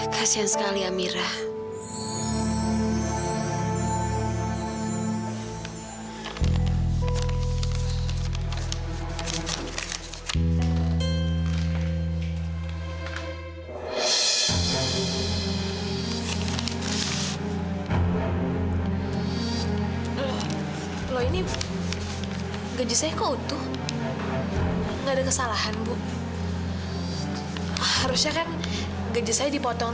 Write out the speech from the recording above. kasian sekali amira